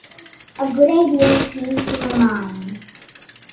A good idea came to my mind,